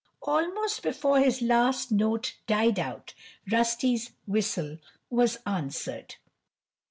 Almost before his last note died out, Rusty's whistle was answered.